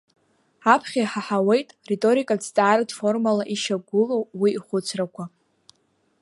Аԥхьа иҳаҳауеит риторикатә зҵааратә формала ишьақәгылоу уи ихәыцрақәа…